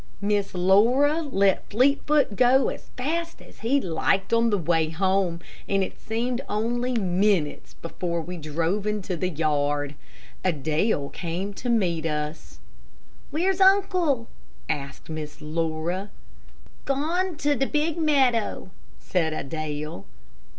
Miss Laura let Fleetfoot go as fast as he liked on the way home, and it only seemed a few minutes before we drove into the yard. Adele came out to meet us. "Where's uncle?" asked Miss Laura. "Gone to de big meadow," said Adele.